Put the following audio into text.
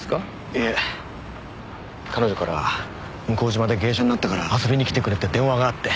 いえ彼女から向島で芸者になったから遊びに来てくれって電話があって。